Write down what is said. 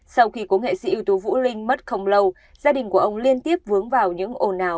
sau khi có nghệ sĩ ưu tú vũ linh mất không lâu gia đình của ông liên tiếp vướng vào những ồn ào